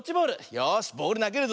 よしボールなげるぞ。